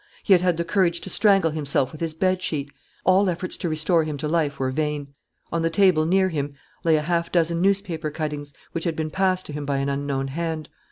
He had had the courage to strangle himself with his bedsheet. All efforts to restore him to life were vain. On the table near him lay a half dozen newspaper cuttings, which had been passed to him by an unknown hand.